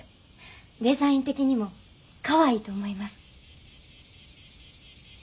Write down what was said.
デザイン的にもかわいいと思います。